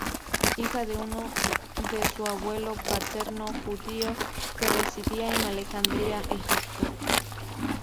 Hija de uno de su abuelo paterno judío que residían en Alejandría, Egipto.